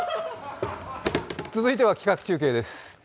続いては企画中継です。